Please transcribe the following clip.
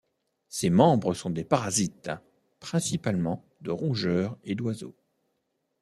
Ses membres sont des parasites, principalement de rongeurs et d'oiseaux.